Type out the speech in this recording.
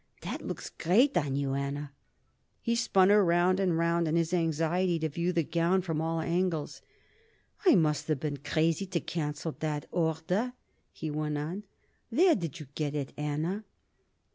"That looks great on you, Anna." He spun her round and round in his anxiety to view the gown from all angles. "I must have been crazy to cancel that order," he went on. "Where did you get it, Anna?"